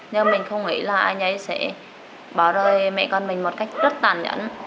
nhưng mình không nghĩ là anh ấy sẽ bỏ rời mẹ con mình một cách rất tàn nhẫn